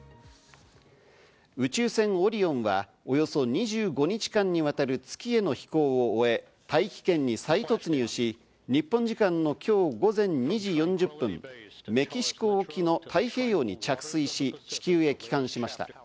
宇宙船「オリオン」はおよそ２５日間にわたる月への飛行を終え、大気圏に再突入し、日本時間の今日午前２時４０分、メキシコ沖の太平洋に着水し、地球へ帰還しました。